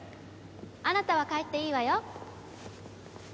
あなたは帰っていいわよ。